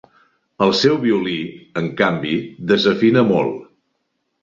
El seu violí, en canvi, desafina molt.